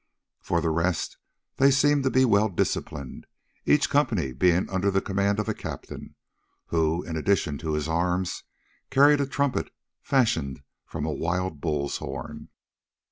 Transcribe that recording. For the rest they seemed to be well disciplined, each company being under the command of a captain, who, in addition to his arms, carried a trumpet fashioned from a wild bull's horn.